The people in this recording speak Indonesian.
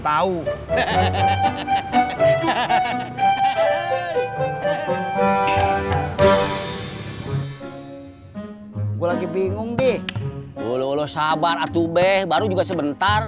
tahu hahaha hahaha hahaha hahaha gua lagi bingung deh wuluh sabar atubeh baru juga sebentar